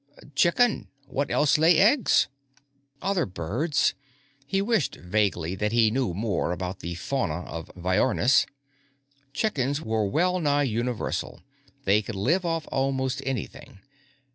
"Chicken. What else lay eggs?" "Other birds." He wished vaguely that he knew more about the fauna of Viornis. Chickens were well nigh universal; they could live off almost anything.